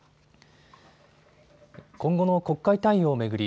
今後の国会対応を巡り